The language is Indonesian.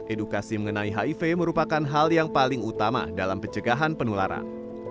edukasi mengenai hiv merupakan hal yang paling utama dalam pencegahan penularan